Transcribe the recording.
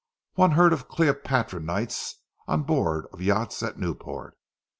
One heard of "Cleopatra nights" on board of yachts at Newport.